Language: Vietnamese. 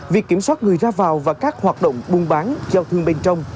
việc kiểm soát người ra vào và các hoạt động buôn bán giao thương bên trong